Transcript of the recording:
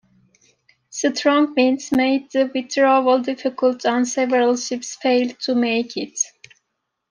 Strong winds made the withdrawal difficult and several ships failed to make it.